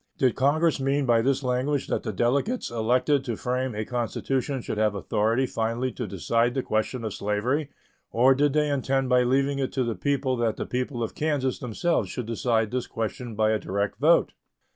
Did Congress mean by this language that the delegates elected to frame a constitution should have authority finally to decide the question of slavery, or did they intend by leaving it to the people that the people of Kansas themselves should decide this question by a direct vote?